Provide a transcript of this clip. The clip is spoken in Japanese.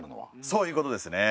そういうことですね。